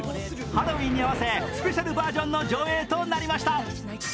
ハロウィーンに合わせ、スペシャルバージョンの上映となりました。